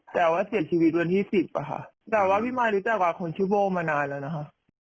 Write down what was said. แต่ว่าเสียชีวิตวันที่สิบอะค่ะแต่ว่าพี่มายรู้จักกับคนชื่อโบ้มานานแล้วนะคะ